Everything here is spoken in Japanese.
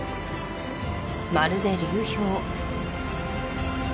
まるで流氷